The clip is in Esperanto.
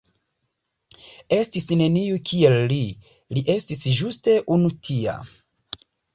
Estis neniu kiel li, li estis ĝuste unu tia".